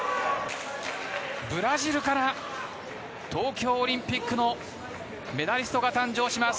ブラジルから東京オリンピックのメダリストが誕生します。